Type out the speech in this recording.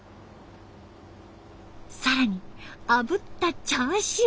更にあぶったチャーシュー。